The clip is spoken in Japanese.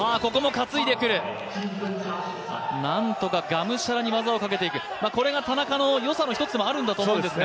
なんとかがむしゃらに技をかけていく、これが田中の良さでもあると思うんですが。